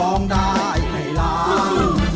ร้องได้ให้ร้อง